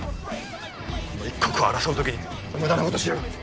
この一刻を争う時に無駄なことしやがって！